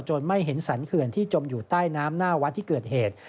ไม่เห็นสรรเขื่อนที่จมอยู่ใต้น้ำหน้าวัดที่เกิดเหตุ